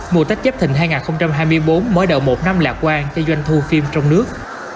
mùa tết dắp thịnh hai nghìn hai mươi bốn mới đầu một năm lạc quan cho doanh thu phim trong nước